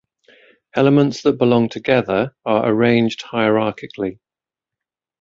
Elements that belong together are arranged hierarchically.